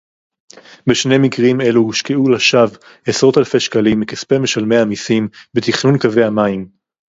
בשני מקרים אלו הושקעו לשווא עשרות אלפי שקלים מכספי משלמי המסים בתכנון קווי המים